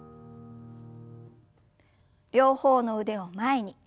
両方の腕を前に。